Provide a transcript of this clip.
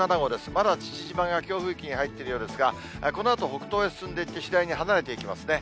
まだ父島が強風域に入っているようですが、このあと北東へ進んでいって、次第に離れていきますね。